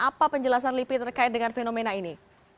apa penjelasan lipi terkait dengan fenomena ini